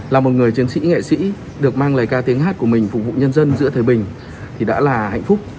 là một người chiến sĩ nghệ sĩ được mang lời ca tiếng hát của mình phục vụ nhân dân giữa thời bình thì đã là hạnh phúc